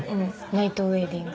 ナイトウェディング。